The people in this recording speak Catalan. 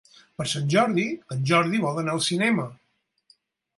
Per Sant Jordi en Jordi vol anar al cinema.